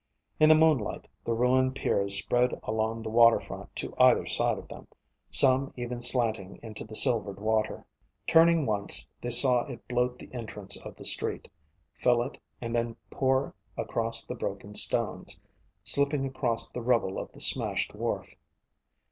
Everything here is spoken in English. In the moonlight, the ruined piers spread along the waterfront to either side of them, some even slanting into the silvered water. Turning once, they saw it bloat the entrance of the street, fill it, and then pour across the broken stones, slipping across the rubble of the smashed wharf.